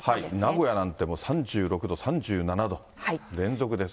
名古屋なんてもう３６度、３７度、連続です。